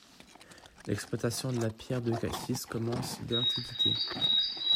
L’exploitation de la pierre de Cassis commence dès l’Antiquité.